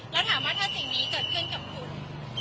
แล้วถามว่าถ้าสิ่งนี้เกิดขึ้นกับคุณ